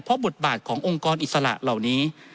เพราะบทบาทขององค์กรอิสระเหล่านี้